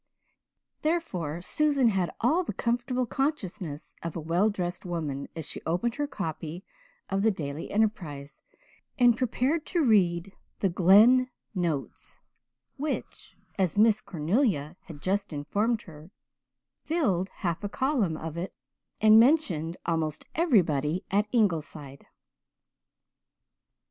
Therefore Susan had all the comfortable consciousness of a well dressed woman as she opened her copy of the Daily Enterprise and prepared to read the Glen "Notes" which, as Miss Cornelia had just informed her, filled half a column of it and mentioned almost everybody at Ingleside.